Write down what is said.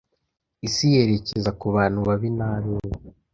Isi yerekeza ku bantu babi nabeza